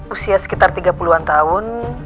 usia sekitar tiga puluh an tahun